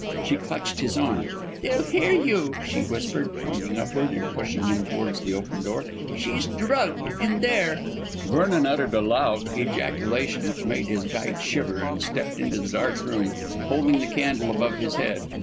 She clutched his arm. "They'll hear you," she whispered, pointing upward, and pushed him towards the open door. "She's drugged in there." Vernon uttered a loud ejaculation, which made his guide shiver, and stepped into the dark room, holding the candle above his head.